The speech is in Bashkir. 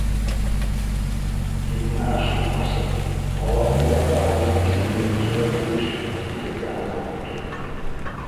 Етмәһә, шул ҡарсыҡ: «Бала үҙ атаһының исемен йөрөтөргә тейеш!» - тип теңкәһен ҡоротто.